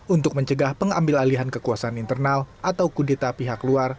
untuk mencegah pengambil alihan kekuasaan internal atau kudeta pihak luar